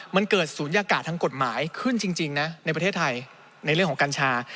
มันเกิดศูนยากาศทางกฎหมายขึ้นจริงนะในประเทศไทยในเรื่องของกัญชา